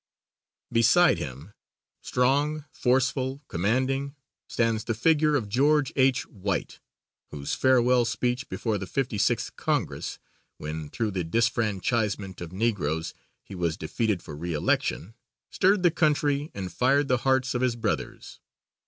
Beside him strong, forceful, commanding, stands the figure of George H. White, whose farewell speech before the Fifty sixth Congress, when through the disfranchisement of Negroes he was defeated for re election, stirred the country and fired the hearts of his brothers.